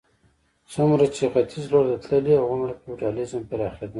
څومره چې ختیځ لور ته تللې هغومره فیوډالېزم پراخېده.